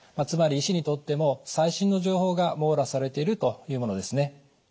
つまり医師にとっても最新の情報が網羅されているというものですね。